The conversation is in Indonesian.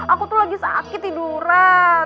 aku tuh lagi sakit tiduran